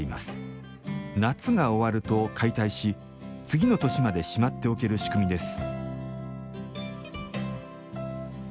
夏が終わると解体し次の年までしまっておける仕組みです